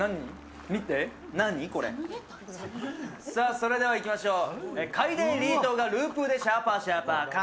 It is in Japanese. それではいきましょう！